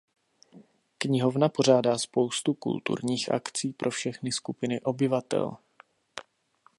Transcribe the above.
Knihovna pořádá spoustu kulturních akcí pro všechny skupiny obyvatel.